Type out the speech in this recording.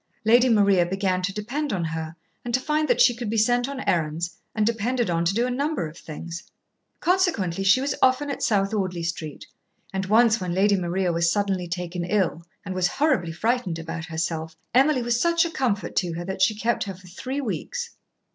Lady Maria began to depend on her and to find that she could be sent on errands and depended on to do a number of things. Consequently, she was often at South Audley Street, and once, when Lady Maria was suddenly taken ill and was horribly frightened about herself, Emily was such a comfort to her that she kept her for three weeks.